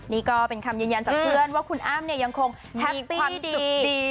นี่ก็เป็นคำยืนยันจากเพื่อนว่าคุณอ้ำเนี่ยยังคงแฮปความสุขดี